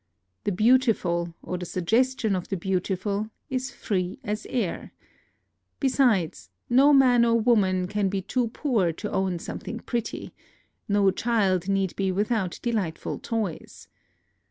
The beautiful, or the suggestion of the beautiful, is free as air. Besides, no man or woman can be too poor to own some thing pretty; no child need be without de lightful toys.